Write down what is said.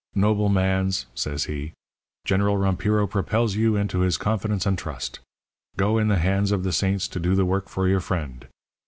'Noble mans,' says he, 'General Rompiro propels you into his confidence and trust. Go, in the hands of the saints to do the work for your friend.